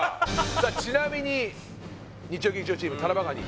ちなみに日曜劇場チームタラバガニ